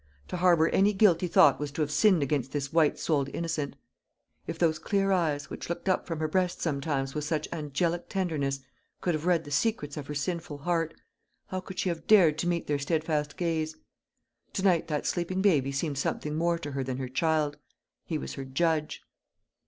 To harbour any guilty thought was to have sinned against this white souled innocent. If those clear eyes, which looked up from her breast sometimes with such angelic tenderness, could have read the secrets of her sinful heart, how could she have dared to meet their steadfast gaze? To night that sleeping baby seemed something more to her than her child; he was her judge.